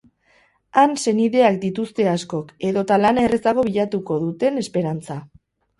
Han senideak dituzte askok, edota lana errezago bilatuko duten esperantza.